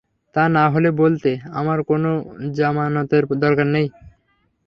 তা না হলে বলতে, আমার কোন জামানতের দরকার নেই।